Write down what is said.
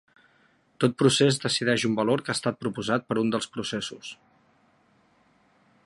Tot procés decideix un valor que ha estat proposat per un dels processos.